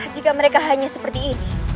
jika mereka hanya seperti ini